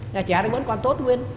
nhà trẻ thì vẫn còn tốt huyên